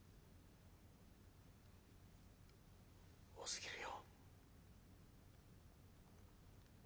「多すぎるよ」。